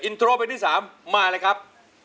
โทรเพลงที่๓มาเลยครับ